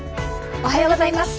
おはようございます。